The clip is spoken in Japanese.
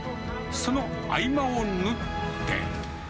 その合間を縫って。